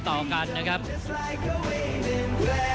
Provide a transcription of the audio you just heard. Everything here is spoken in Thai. ท่านแรกครับจันทรุ่ม